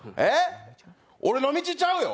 俺の道ちゃうよ。